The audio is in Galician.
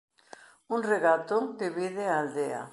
Un regato divide a aldea.